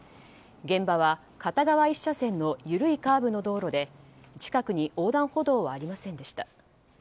現場は片側１車線の緩いカーブの道路で近くに横断歩道はありませんでした。